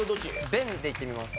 「弁」でいってみます。